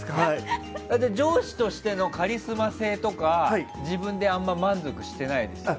上司としてのカリスマ性とか自分であんまり満足してないですか？